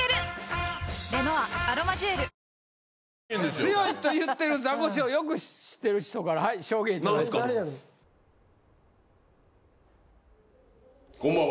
強いと言ってるザコシをよく知ってる人から証言いただいています。